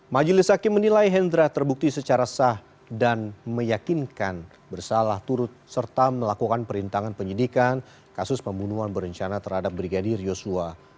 majelis hakim menilai hendra terbukti secara sah dan meyakinkan bersalah turut serta melakukan perintangan penyidikan kasus pembunuhan berencana terhadap brigadir yosua